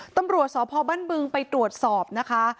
ตำรวจสพบ้านบึงไปตรวจสอบนะคะ